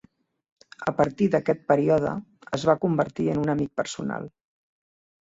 A partir d'aquest període es va convertir en un amic personal.